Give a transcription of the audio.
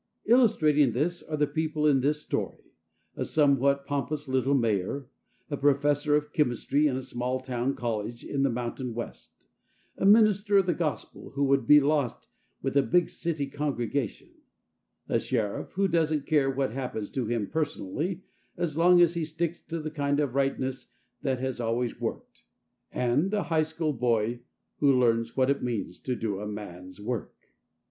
Illustrating this are the people in this story: a somewhat pompous little mayor; a professor of chemistry in a small town college in the mountain west; a minister of the gospel, who would be lost with a big city congregation; a sheriff who doesn't care what happens to him personally as long as he sticks to the kind of rightness that has always worked; and a high school boy who learns what it means to do a man's work.